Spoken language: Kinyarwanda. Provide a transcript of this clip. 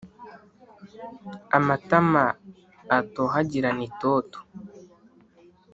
amatama atohagirane itoto